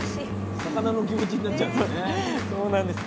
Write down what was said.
魚の気持ちになっちゃうんですね。